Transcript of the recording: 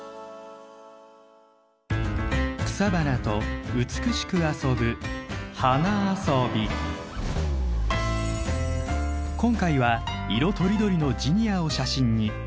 草花と美しく遊ぶ今回は色とりどりのジニアを写真に。